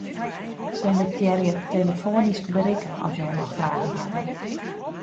Selektearje 'telefoanysk berikke as jo noch fragen hawwe'.